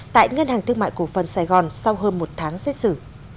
tại ngân hàng thương mại cổ phần sài gòn sau hơn một tháng xét xử